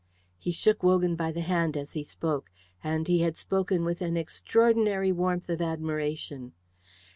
He shook Wogan by the hand as he spoke, and he had spoken with an extraordinary warmth of admiration.